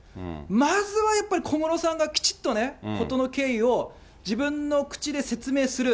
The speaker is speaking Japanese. まずはやっぱり、小室さんがきちっとね、事の経緯を自分の口で説明する。